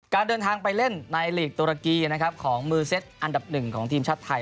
การเดินทางไปเล่นในหลีกตุรกีนะครับของมือเซ็ตอันดับหนึ่งของทีมชาติไทย